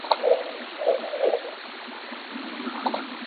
Cursó estudios de Filosofía y Letras en la Universidad de Buenos Aires.